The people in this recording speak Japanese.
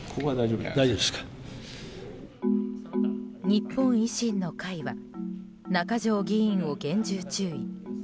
日本維新の会は中条議員を厳重注意。